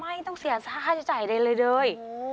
ไม่ต้องเสียสาหร่าชจ่ายเลยเลย